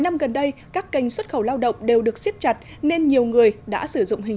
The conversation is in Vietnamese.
năm gần đây các kênh xuất khẩu lao động đều được siết chặt nên nhiều người đã sử dụng hình